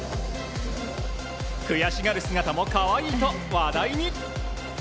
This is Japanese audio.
悔しがる姿もかわいいと、話題に。